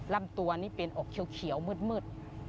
ลำตัวนี่เป็นอกเขียวมืด